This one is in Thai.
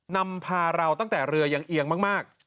นำพาเราตั้งแต่เรือยังเอียงมาก